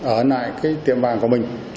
ở nại cái tiệm vàng của mình